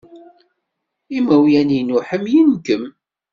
Imawlan-inu ḥemmlen-kem.